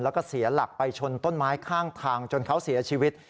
แล้วก็เสียหลักไปชนต้นไม้ข้างทางจนเขาเสียชีวิต